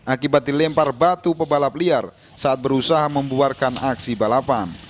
akibat dilempar batu pebalap liar saat berusaha membuarkan aksi balapan